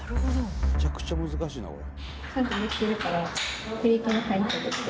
めちゃくちゃ難しいなこれ。